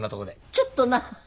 ちょっとな。